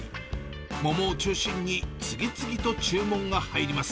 桃を中心に、次々と注文が入ります。